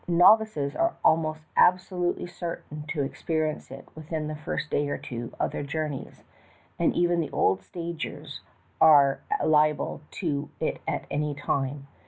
Novices are almost absolutely cer tain to experience it within the first day or two of their journeys, and even the old stagers are liable to it at any time.